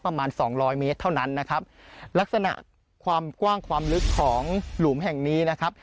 ประมาณสองร้อยเมตรเท่านั้นนะครับลักษณะความกว้างความลึกของหลุมแห่งนี้นะครับ